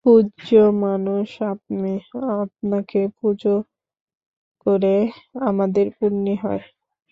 পূজ্য মানুষ আপনি, আপনাকে পুজো করে আমাদের পুণ্যি হয়।